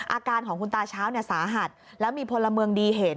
อาการของคุณตาเช้าเนี่ยสาหัสแล้วมีพลเมืองดีเห็น